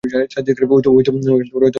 ওইতো তার বাড়ি!